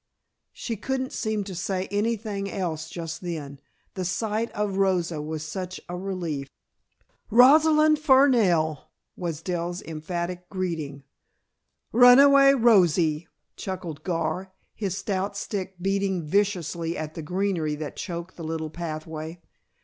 She couldn't seem to say anything else just then, the sight of Rosa was such a relief. "Rosalind Fernell!" was Dell's emphatic greeting. "Runaway Rosie," chuckled Gar, his stout stick beating viciously at the greenery that choked the little pathway.